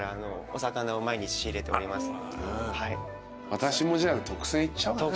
私もじゃあ特選いっちゃおうかな。